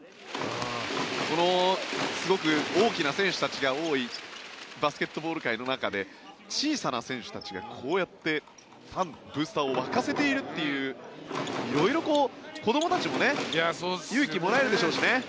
すごく大きな選手たちが多いバスケットボール界の中で小さな選手たちがこうやってファン、ブースターを沸かせているという色々、子どもたちも勇気をもらえるでしょうしね。